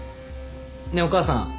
ねえお母さん。